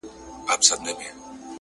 زما د زړه ډېوه روښانه سي ـ